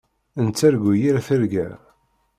Nettargu yir tirga.